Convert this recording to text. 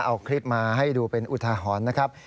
เอาคลิปมาให้ดูเป็นอุทาหรณ์นะครับ